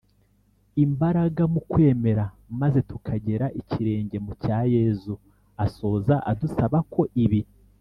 imbaraga mu kwemera, maze tukagera ikirenge mu cya yezu. asoza adusaba ko ibi